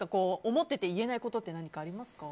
思ってて言えないことって何かありますか？